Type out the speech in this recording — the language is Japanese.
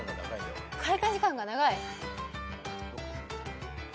開花時間が長い。